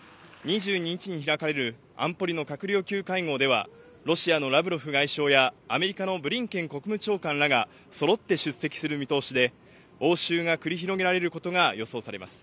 ２２日に開かれる安保理の閣僚級会合には、ロシアのラブロフ外相やアメリカのブリンケン国務長官らがそろって出席する見通しで、応酬が繰り広げられることが予想されます。